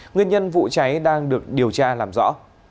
nguyên nhân vụ cháy đang được điều tra làm rõ